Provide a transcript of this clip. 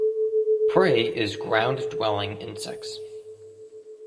Prey is ground dwelling insects.